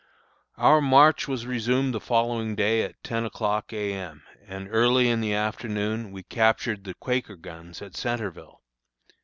Our march was resumed the following day at ten o'clock A. M., and early in the afternoon we captured the "Quaker Guns" at Centreville.